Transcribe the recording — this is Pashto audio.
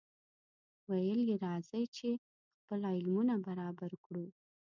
ویل یې راځئ! چې خپل عملونه برابر کړو.